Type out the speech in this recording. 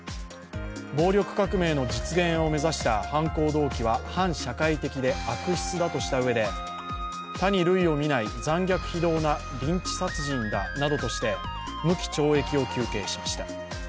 暴力革命の実現を目指した犯行動機は反社会的で悪質だとしたうえで他に類を見ない残虐非道なリンチ殺人だなどとして無期懲役を求刑しました。